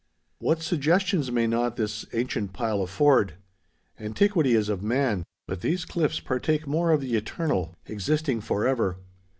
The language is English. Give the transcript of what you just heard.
What suggestions may not this ancient pile afford! Antiquity is of man; but these cliffs partake more of the eternal—existing forever.